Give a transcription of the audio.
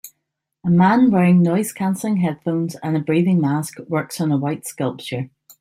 A man wearing noisecanceling headphones and a breathing mask works on a white sculpture